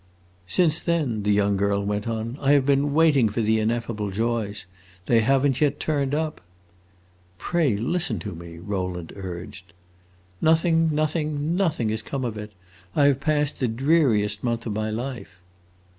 "Since then," the young girl went on, "I have been waiting for the ineffable joys. They have n't yet turned up!" "Pray listen to me!" Rowland urged. "Nothing, nothing, nothing has come of it. I have passed the dreariest month of my life!"